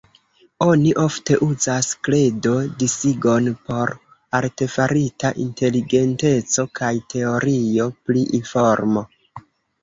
Oni ofte uzas Kredo-disigon por artefarita inteligenteco kaj teorio pri informo.